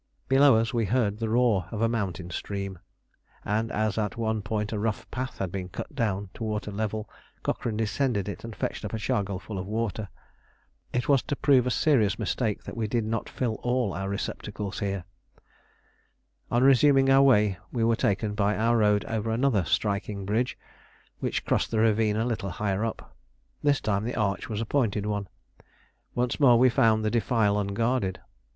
Below us we heard the roar of a mountain stream, and as at one point a rough path had been cut down to water level, Cochrane descended it and fetched up a chargal full of water. It was to prove a serious mistake that we did not fill all our receptacles here. On resuming our way, we were taken by our road over another striking bridge which crossed the ravine a little higher up. This time the arch was a pointed one. Once more we found the defile unguarded.